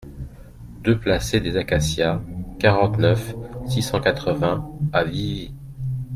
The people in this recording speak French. deux placé des Acacias, quarante-neuf, six cent quatre-vingts à Vivy